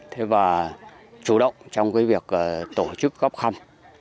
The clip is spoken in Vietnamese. thế và chủ động trong cái việc tổ chức góp khăm